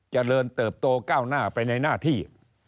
เจริญเติบโตก้าวหน้าไปในหน้าที่